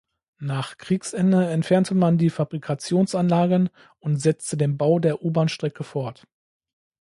Nach Kriegsende entfernte man die Fabrikationsanlagen und setzte den Bau der U-Bahnstrecke fort.